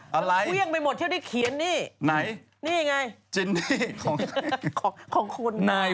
เขาเครี้ยงไปหมดยังได้เขียนนี่